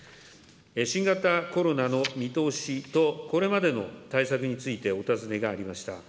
新型コロナの見通しと、これまでの対策についてお尋ねがありました。